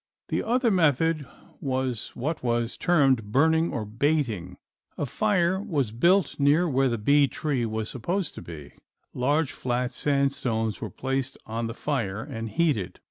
The other method was what was termed burning or baiting. A fire was built near where the bee tree was supposed to be, large flat sand stones were placed on the fire and heated.